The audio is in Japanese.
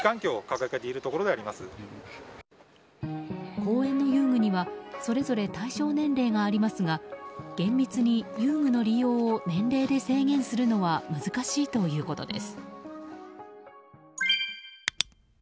公園の遊具にはそれぞれ対象年齢がありますが厳密に遊具の利用を年齢で制限するのは難しいということです。